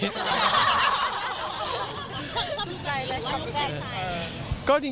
ชอบใจไหมครับ